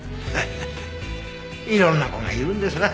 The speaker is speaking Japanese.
ハハハいろんな子がいるんですな。